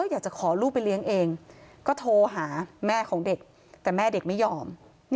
อยากจะขอลูกไปเลี้ยงเองก็โทรหาแม่ของเด็กแต่แม่เด็กไม่ยอม